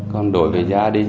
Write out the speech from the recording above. còn đối với gia đình